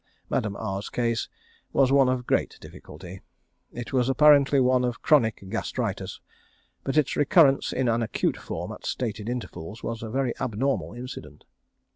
Madame R's case was one of great difficulty. It was apparently one of chronic gastritis; but its recurrence in an acute form at stated intervals was a very abnormal incident.